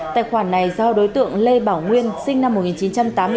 tài khoản này do đối tượng lê bảo nguyên sinh năm một nghìn chín trăm tám mươi bốn